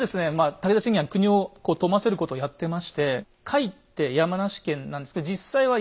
武田信玄は国を富ませることをやってまして甲斐って山梨県なんですけど実際は「山あり県」じゃないですか。